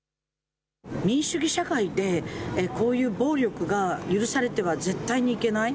民主主義社会でこういう暴力が許されては絶対にいけない。